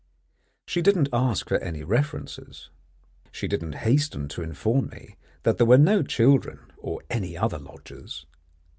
She didn't ask for any references. She didn't hasten to inform me that there were no children or any other lodgers.